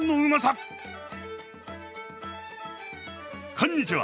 こんにちは！